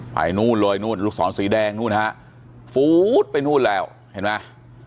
นู่นเลยนู่นลูกศรสีแดงนู่นฮะฟู้ดไปนู่นแล้วเห็นไหม